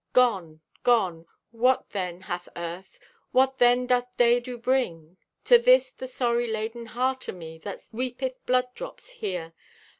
Gone! Gone! What then hath Earth? What then doth day to bring To this the sorry laden heart o' me, That weepeth blood drops here?